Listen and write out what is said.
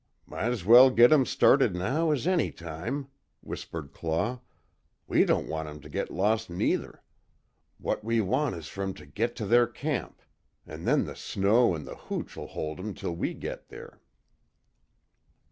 "Might's well git 'em started now as anytime," whispered Claw. "We don't want 'em to git lost, neither. What we want is fer 'em to git to their camp an' then the snow an' the hooch'll hold 'em till we git there."